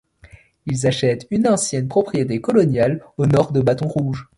Ils achètent une ancienne propriété coloniale au nord de Baton Rouge.